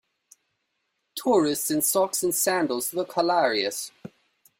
Tourists in socks and sandals look hilarious.